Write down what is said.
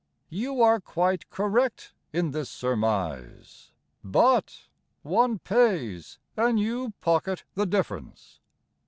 You are quite correct in this surmise. But One pays, And you pocket the difference.